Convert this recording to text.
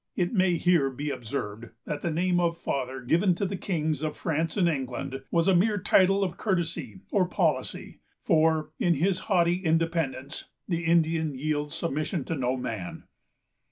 It may here be observed, that the name of Father, given to the Kings of France and England, was a mere title of courtesy or policy; for, in his haughty independence, the Indian yields submission to no man.